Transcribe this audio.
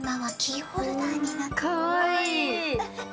かわいい！